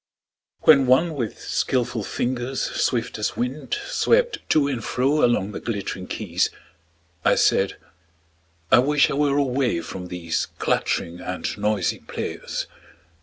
WHEN one with skillful fingers swift as wind Swept to and fro along the glittering keys, I said: I wish I were away from these Clattering and noisy players!